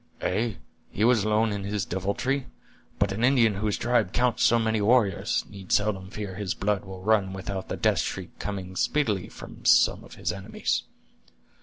"Ay, he was alone in his deviltry! but an Indian whose tribe counts so many warriors, need seldom fear his blood will run without the death shriek coming speedily from some of his enemies."